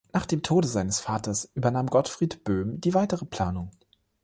Nach dem Tode seines Vaters übernahm Gottfried Böhm die weitere Planung.